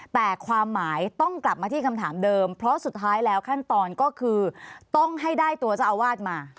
แต่ความหมายต้องกลับมาที่คำถามเดิมเพราะสุดท้ายแล้วขั้นตอนก็คือต้องให้ได้ตัวเจ้าอาวาสมา